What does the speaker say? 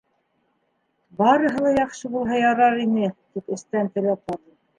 Барыһы ла яҡшы булһа ярар ине, тип эстән теләп барҙым.